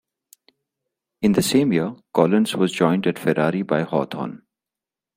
In the same year, Collins was joined at Ferrari by Hawthorn.